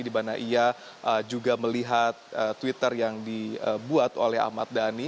di mana ia juga melihat twitter yang dibuat oleh ahmad dhani